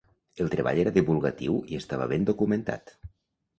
El treball era divulgatiu i estava ben documentat.